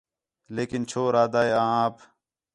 لیکن چھور آھدا ہِے آں آپ